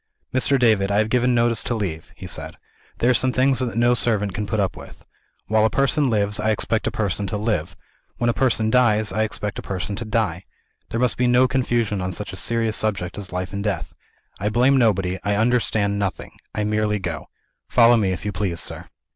"Mr. David, I have given notice to leave," he said. "There are some things that no servant can put up with. While a person lives, I expect a person to live. When a person dies, I expect a person to die. There must be no confusion on such a serious subject as life and death. I blame nobody I understand nothing I merely go. Follow me, if you please, sir."